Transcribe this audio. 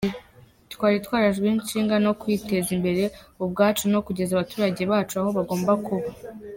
Twari turajwe ishinga no kwiteza imbere ubwacu no kugeza abaturage bacu aho bagomba kuba”